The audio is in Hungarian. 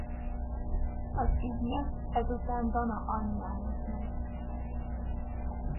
Az ügynök ezután Dana anyjához megy.